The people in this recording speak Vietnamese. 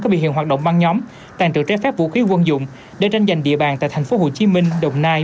có bị hiện hoạt động băng nhóm tàn trữ trái phép vũ khí quân dụng để tranh giành địa bàn tại thành phố hồ chí minh đồng nai